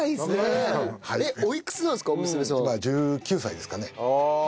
今１９歳ですかね。